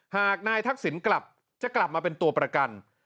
หากนายทักษิณกลับจะกลับมาเป็นตัวประกัน